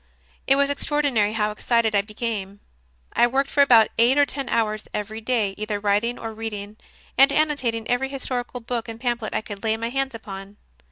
It was extraordinary how excited I became. I worked for about eight or ten hours every day, either writing, or reading and annotating every historical book and pamphlet I could lay my hands upon.